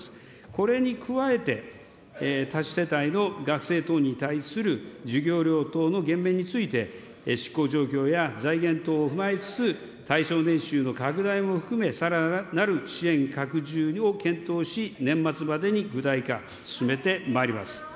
これに加えて、多子世帯の学生等に対する授業料等の減免について、執行状況や財源等を踏まえつつ、対象年収の拡大も含め、さらなる支援拡充を検討し、年末までに具体化、進めてまいります。